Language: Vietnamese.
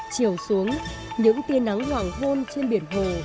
chiều xuống những tia nắng hoảng hôn trên biển hồ